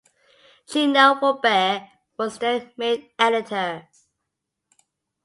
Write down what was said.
Gino Robair was then made editor.